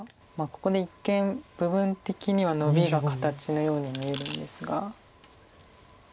ここで一見部分的にはノビが形のように見えるんですが。